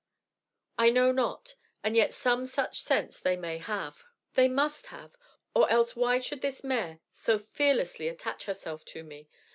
I know not, and yet some such sense they may have, they must have; or else why should this mare so fearlessly attach herself to me?